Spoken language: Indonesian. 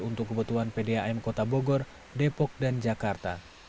untuk kebutuhan pdam kota bogor depok dan jakarta